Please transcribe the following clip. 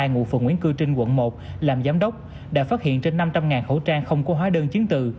ngụ phường nguyễn cư trinh quận một làm giám đốc đã phát hiện trên năm trăm linh khẩu trang không có hóa đơn chứng từ